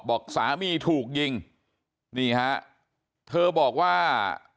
บอกสามีถูกยิงนี่ฮะเธอบอกว่า